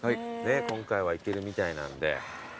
今回は行けるみたいなんで。